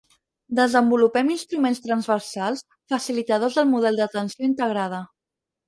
Desenvolupem instruments transversals facilitadors del model d'atenció integrada.